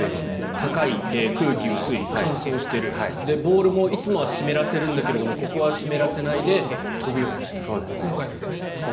高い、空気薄い乾燥しているボールもいつもは湿らせるんだけどここは湿らせないで今回だけね。